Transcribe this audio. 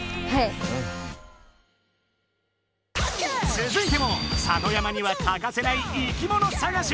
続いても里山には欠かせない生きものさがし。